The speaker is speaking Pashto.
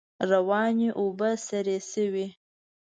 روانې اوبه سرې شوې.